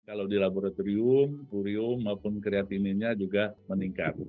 kalau di laboratorium purium maupun kreatininya juga meningkat